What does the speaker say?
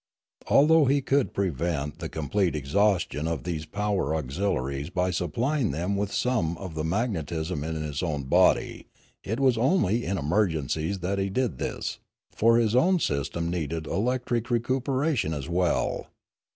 Although he could prevent the complete exhaustion of these power auxiliaries by supplying them with some of the magnetism in his own body, it was only in emergencies that he did this; for his own system needed electric recuperation as well.